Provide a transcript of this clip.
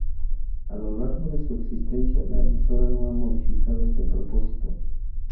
A lo largo de su existencia, la emisora no ha modificado este propósito.